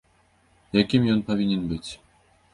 Якім ён павінен быць?